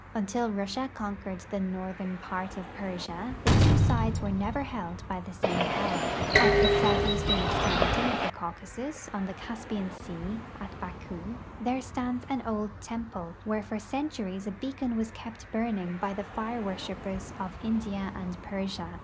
Until Russia conquered the northern part of Persia, the two sides were never held by the same power. At the southeastern extremity of the Caucasus, on the Caspian sea, at Baku, there stands an old temple, where for centuries a beacon was kept burning by the fire worshipers of India and Persia.